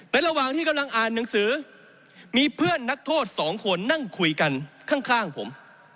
ระหว่างที่กำลังอ่านหนังสือมีเพื่อนนักโทษ๒คนนั่งคุยกันข้างผม